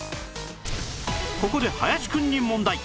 ここで林くんに問題